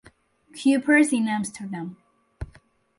Cuypers in Amsterdam.